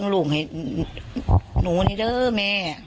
สงสันหนูเนี่ยว่าสงสันหนูเนี่ยมีกระทิแววออกได้จังไหน